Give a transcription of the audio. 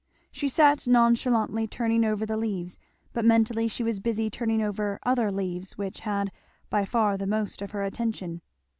She sat nonchalantly turning over the leaves; but mentally she was busy turning over other leaves which had by far the most of her attention.